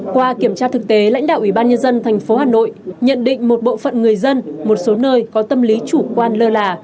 qua kiểm tra thực tế lãnh đạo ủy ban nhân dân tp hà nội nhận định một bộ phận người dân một số nơi có tâm lý chủ quan lơ là